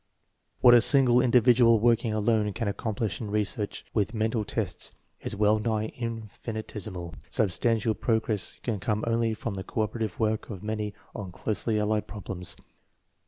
What a single individual working alone can accomplish in research with mental tests is well nigh infinitesimal. Substantial progress can come only from the cooperative work of many on closely allied problems.